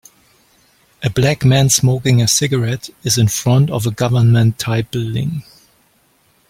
A black man smoking a cigarette is in front of a government type building.